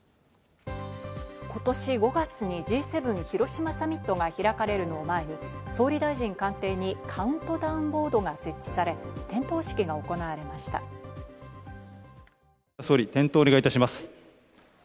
今年５月にＧ７広島サミットが開かれるのを前に総理大臣官邸にカウントダウンボードが設置され点灯式が行われました。